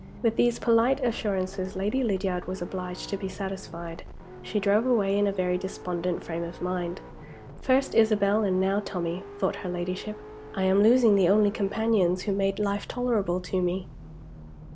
With these polite assurances Lady Lydiard was obliged to be satisfied. She drove away in a very despondent frame of mind. "First Isabel, and now Tommie," thought her Ladyship. "I am losing the only companions who made life tolerable to me."